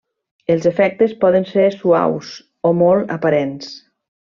Els efectes poden ser suaus o molt aparents.